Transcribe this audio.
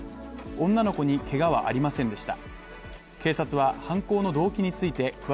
女の子にけがはありませんでした。